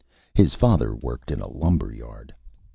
His Father worked in a Lumber Yard.